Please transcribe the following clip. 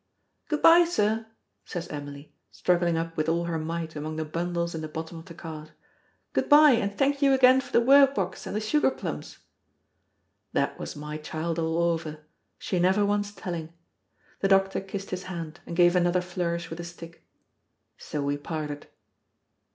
"Good by, sir," says Emily, struggling up with all her might among the bundles in the bottom of the cart; "good by, and thank you again for the work box and the sugar plums." That was my child all over! she never wants telling. The doctor kissed his hand, and gave another flourish with his stick. So we parted.